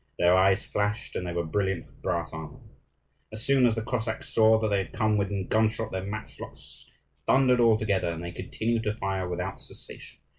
Their eyes flashed, and they were brilliant with brass armour. As soon as the Cossacks saw that they had come within gunshot, their matchlocks thundered all together, and they continued to fire without cessation.